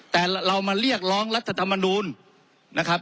แต่เรามาเรียกร้องรัฐธรรมนูลนะครับ